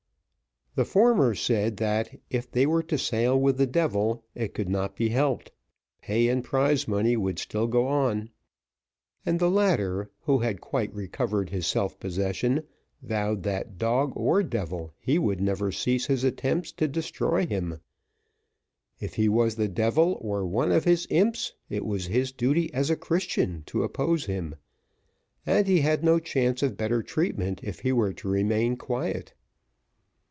The former said, "that if they were to sail with the devil, it could not be helped, pay and prize money would still go on;" and the latter, who had quite recovered his self possession, "vowed that dog or devil, he would never cease his attempts to destroy him if he was the devil, or one of his imps, it was his duty as a Christian to oppose him, and he had no chance of better treatment if he were to remain quiet."